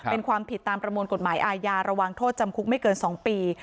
เป็นความผิดตามประมวลกฎหมายอาญาระวังโทษจำคุกไม่เกิน๒ปี